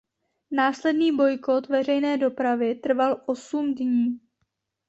Následný bojkot veřejné dopravy trval osm dní.